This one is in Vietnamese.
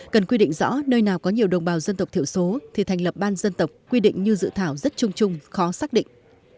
cần quy định rõ nơi nào có nhiều đồng bào dân tộc thiểu số thì thành lập ban dân tộc quy định như dự thảo rất chung chung khó xác định